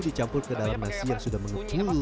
dicampur ke dalam nasi yang sudah mengepul